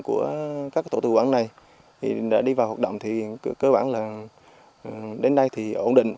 của các tổ tư quản này đã đi vào hoạt động thì cơ bản là đến đây thì ổn định